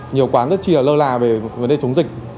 nhiều quán rất là lơ là về vấn đề chống dịch